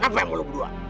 kenapa lu berdua